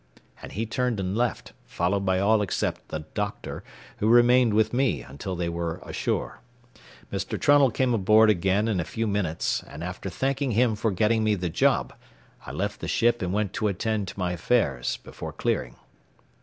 And he turned and left, followed by all except the "doctor," who remained with me until they were ashore. Mr. Trunnell came aboard again in a few minutes, and after thanking him for getting me the job I left the ship and went to attend to my affairs before clearing.